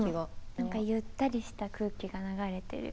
何かゆったりした空気が流れてる。